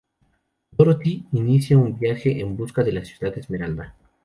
Dorothy inicia un viaje en busca de la Ciudad Esmeralda.